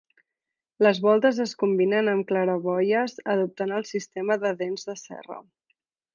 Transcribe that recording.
Les voltes es combinen amb claraboies adoptant el sistema de dents de serra.